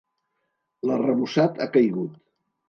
L'arrebossat ha caigut.